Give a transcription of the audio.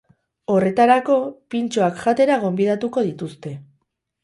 Horretarako, pintxoak jatera gonbidatuko dituzte.